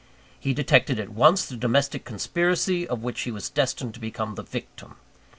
He detected at once the domestic conspiracy of which he was destined to become the victim.